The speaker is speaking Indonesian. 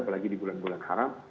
apalagi di bulan bulan haram